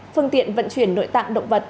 phương tiện vận chuyển nội tạng động vật